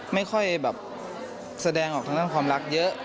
ไม่ค่อยแบบแสดงออกทางด้านความรักเยอะ